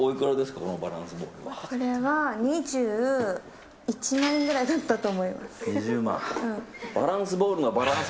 これは２１万円ぐらいだったと思います。